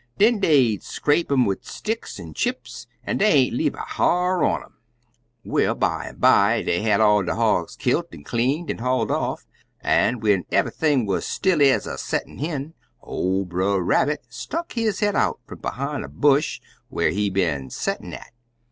Den dey'd scrape un wid sticks an' chips, an' dey aint leave a ha'r on um. "Well, bimeby, dey had all de hogs killt an' cleaned, an' hauled off, an' when eve'ything wuz still ez a settin' hen, ol' Brer Rabbit stuck his head out fum behine a bush whar he been settin' at.